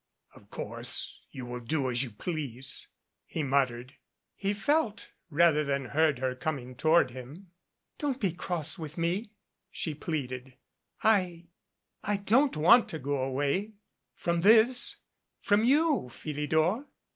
"Of course, you will do as you please," he muttered. He felt rather than heard her coming toward him. "Don't be cross with me," she pleaded. "I I don't want to go away from this from you, Philidor."